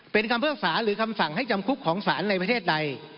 เป็นคำพิพากษาหรือคำสั่งให้จำคุกของศาลในประเทศใด